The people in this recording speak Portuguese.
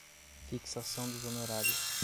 fixação dos honorários